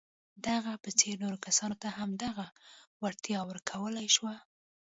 د هغه په څېر نورو کسانو ته هم دغه وړتیا ورکول شوه.